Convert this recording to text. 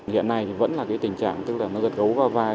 hiện nay vẫn là tình trạng giật gấu qua vai